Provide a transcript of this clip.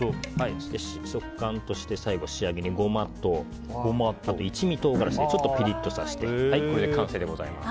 食感として最後、仕上げにゴマと一味唐辛子でちょっとピリッとさせて完成でございます。